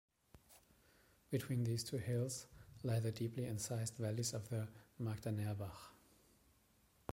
Between these two hills lie the deeply incised valleys of the "Magdenerbach".